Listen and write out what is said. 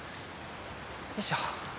よいしょ！